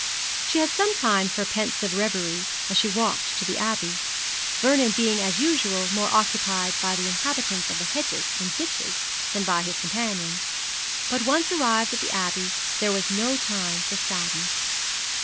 She had some time for pensive reverie, as she walked to the Abbey, Vernon being as usual more occupied by the inhabitants of the hedges and ditches than by his companion; but once arrived at the Abbey, there was no time for sadness.